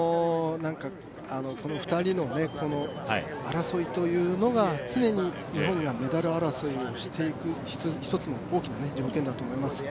この２人の争いというのが常に日本がメダル争いをしていく一つの大きな条件だと思います。